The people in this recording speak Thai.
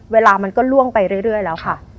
เวลามันก็ล่วงไปเรื่อยแล้วค่ะ